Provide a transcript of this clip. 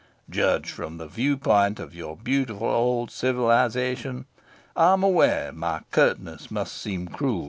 Judged from the view point of your beautiful old civilisation, I am aware my curtness must seem crude.